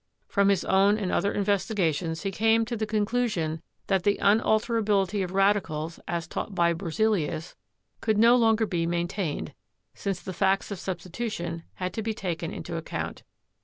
From his own and other investigations he came to the conclusion that the unalterability of radicals, as taught by Berzelius, could no longer be maintained, since the facts of substitution had to be taken into account.